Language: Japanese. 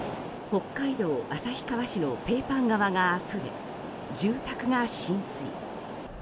北海道旭川市のペーパン川があふれ住宅が浸水。